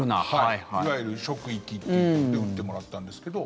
いわゆる職域という部類で打ってもらったんですけど。